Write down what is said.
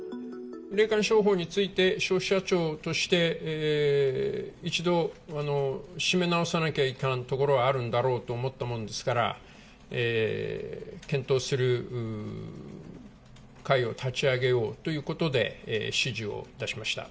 霊感商法について消費者庁として一度、締め直さなきゃいかんところがあるんだろうと思ったものですから、検討する会を立ち上げようということで、指示を出しました。